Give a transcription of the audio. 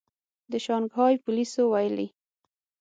د شانګهای پولیسو ویلي